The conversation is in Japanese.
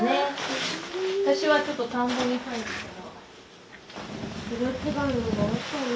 私はちょっと田んぼに入るから。